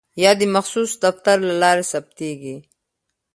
یا د مخصوص دفتر له لارې ثبتیږي.